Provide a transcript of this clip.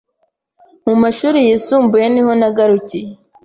mu mashuri yisumbuye niho nagarukiye